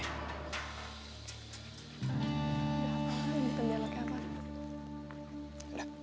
gapapa ini tendang laki laki